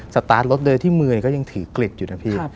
สตาร์ทรถโดยที่มือก็ยังถือกลิดอยู่นะพี่